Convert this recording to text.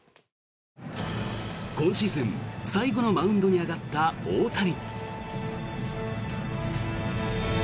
今シーズン最後のマウンドに上がった大谷。